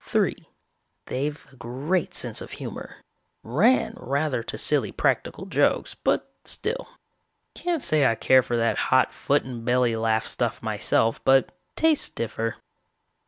"Three, they've a great sense of humor. Ran rather to silly practical jokes, but still. Can't say I care for that hot foot and belly laugh stuff myself, but tastes differ.